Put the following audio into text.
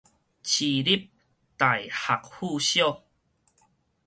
市立大學附小